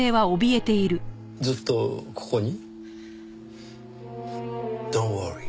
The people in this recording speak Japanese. ずっとここに？